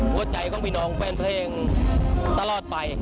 หัวใจของพี่น้องแฟนเพลงตลอดไป